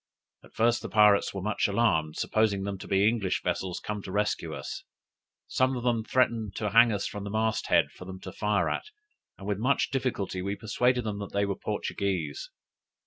At first the pirates were much alarmed, supposing them to be English vessels come to rescue us. Some of them threatened to hang us to the mast head for them to fire at; and with much difficulty we persuaded them that they were Portuguese.